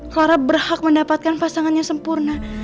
clara berhak mendapatkan pasangannya sempurna